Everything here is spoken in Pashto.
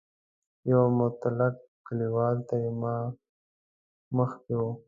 یو مطلق کلیوال تر ما مخکې و.